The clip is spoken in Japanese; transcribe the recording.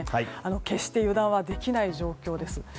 決して油断はできない状況です。